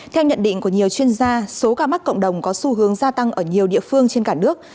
theo nhận định của nhiều chuyên gia số ca mắc cộng đồng có xu hướng gia tăng ở nhiều địa phương trên cả nước